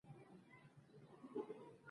خوب د شپهني ارام نښه ده